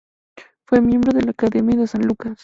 Fue miembro de la Academia de San Lucas.